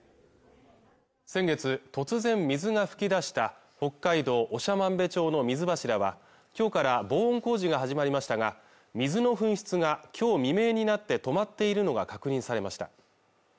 先月突然水が噴き出した北海道長万部町の水柱は今日から防音工事が始まりましたが水の噴出が今日未明になって止まっているのが確認されました